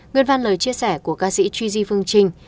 nguyên văn lời chia sẻ của ca sĩ gigi phương trinh